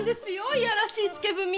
いやらしい付け文！